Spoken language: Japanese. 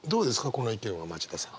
この意見は町田さん。